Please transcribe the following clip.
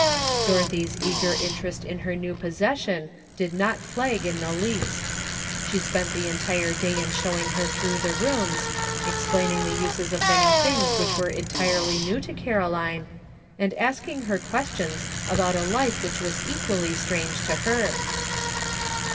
Dorothy's eager interest in her new possession did not flag in the least. She spent the entire day in showing her through the rooms, explaining the uses of many things which were entirely new to Caroline, and ask ing her questions about a life which was equally strange to her.